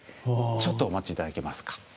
ちょっとお待ち頂けますか？